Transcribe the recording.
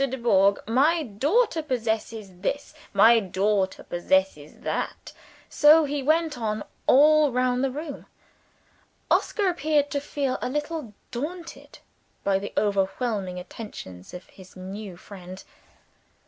Dubourg, my daughter possesses this; my daughter possesses that." So he went on, all round the room. Oscar appeared to feel a little daunted by the overwhelming attentions of his new friend.